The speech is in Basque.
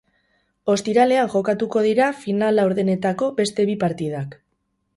Ostiralean jokatuko dira final-laurdenetako beste bi partidak.